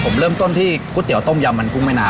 ผมเริ่มต้นที่ก๋วยเตี๋ยต้มยำมันกุ้งแม่นา